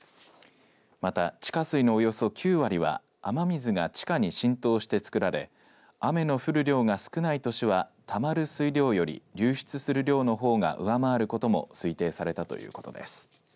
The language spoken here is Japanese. また、地下水のおよそ９割は雨水が地下に浸透して作られ雨の降る量が少ない年はたまる水量より流出する量のほうが上回ることも推定されたということです。